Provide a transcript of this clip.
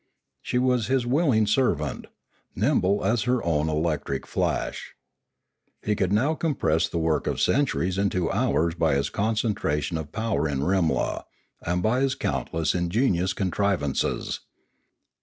She was his willing servant, nimble as her own electric flash. He could now compress the work of centuries into hours by his concentration of power in Rimla, and by his countless ingenious contrivances.